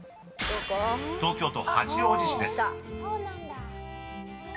［東京都八王子市です］